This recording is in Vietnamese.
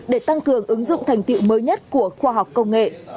để tăng cường ứng dụng thành tiệu mới nhất của khoa học công nghệ